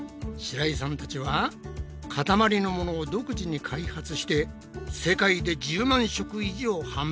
白井さんたちはかたまりのものを独自に開発して世界で１０万食以上販売しているんだって。